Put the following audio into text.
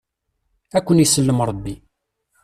Ad ken-isellem Rebbi.